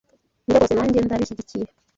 Nibyo rwose nanjye ndabishyigikiye?